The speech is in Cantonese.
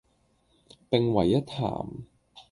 並為一談